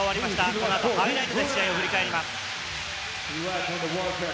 このあとハイライトで試合を振り返ります。